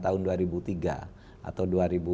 tahun dua ribu tiga atau